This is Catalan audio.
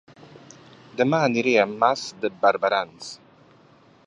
Dema aniré a Mas de Barberans